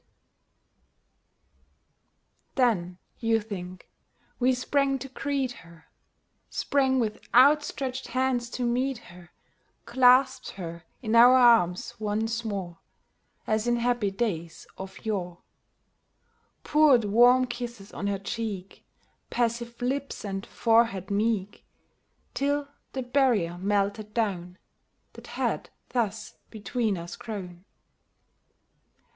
COMING HOME 89 Then, you think, we sprang to greet her — Sprang with outstretched hands, to meet her ; Clasped her in our arms once more, • As in happy days of yore ; Poured warm kisses on her cheek. Passive lips and forehead meek, Till the barrier melted down That had thus between us grown.